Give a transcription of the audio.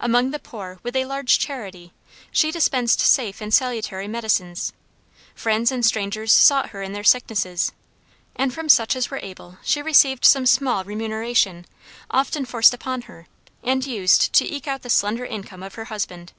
Among the poor, with a large charity, she dispensed safe and salutary medicines. Friends and strangers sought her in their sicknesses, and from such as were able she received some small remuneration, often forced upon her, and used to eke out the slender income of her husband.